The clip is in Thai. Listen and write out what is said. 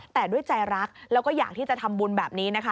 แต่ด้วยใจรักแล้วก็อยากที่จะทำบุญแบบนี้นะคะ